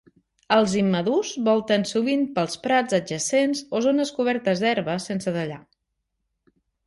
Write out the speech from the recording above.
Els immadurs volten sovint pels prats adjacents o zones cobertes d'herba sense tallar.